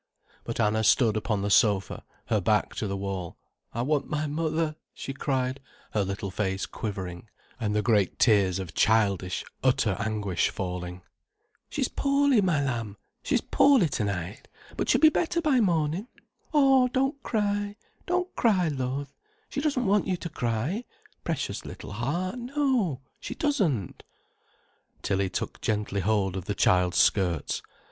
But Anna stood upon the sofa, her back to the wall. "I want my mother," she cried, her little face quivering, and the great tears of childish, utter anguish falling. "She's poorly, my lamb, she's poorly to night, but she'll be better by mornin'. Oh, don't cry, don't cry, love, she doesn't want you to cry, precious little heart, no, she doesn't." Tilly took gently hold of the child's skirts.